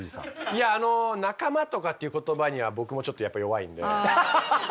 いやあの仲間とかっていう言葉には僕もちょっとやっぱ弱いんで。